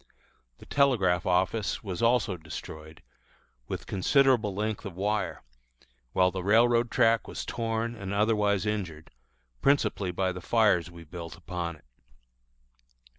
The telegraph office was also destroyed, with considerable length of wire, while the railroad track was torn and otherwise injured, principally by the fires we built upon it.